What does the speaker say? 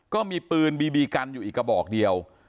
ก็มีปืนบีบีกันอยู่อีกกระบอกเดียว